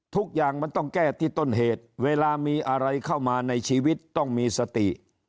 ทุกอย่างมันต้องแก้ที่ต้นเหตุเวลามีอะไรเข้ามาในชีวิตต้องมีสติ